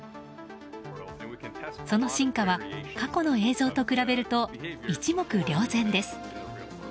その進化は過去の映像と比べると一目瞭然です。